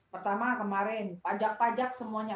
pertama kemarin pajak pajak semuanya